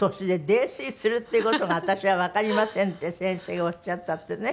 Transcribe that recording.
泥酔するっていう事が私はわかりません」って先生がおっしゃったってね。